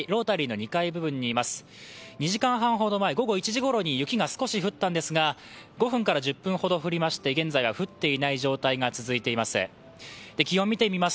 ２時間半ほど前、午後１時ごろに雪が少し降ったんですが、５分から１０分ほど降りまして現在は降っていない状態が続いています。